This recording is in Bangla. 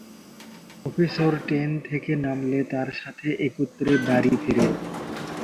প্রফেসর ট্রেন থেকে নামলে তার সাথে একত্রে বাড়ি ফেরে।